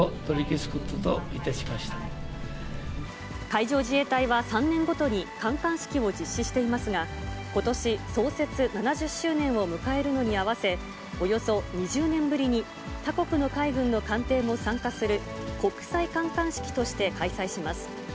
海上自衛隊は３年ごとに観艦式を実施していますが、ことし創設７０周年を迎えるのに合わせ、およそ２０年ぶりに、他国の海軍の艦艇も参加する、国際観艦式として開催します。